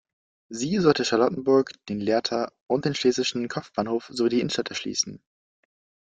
Sie sollte Charlottenburg, den Lehrter- und den Schlesischen Kopfbahnhof sowie die Innenstadt erschließen.